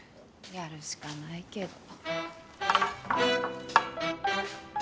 やるしかないけど。